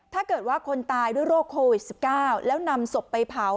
ถ้าเกิดว่าคนตายด้วยโรคโควิด๑๙แล้วนำศพไปเผา